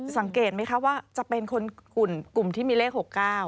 สังเกตไหมคะว่าจะเป็นคนกลุ่มที่มีเลข๖๙